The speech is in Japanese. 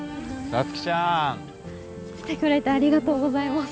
皐月ちゃん！来てくれてありがとうございます。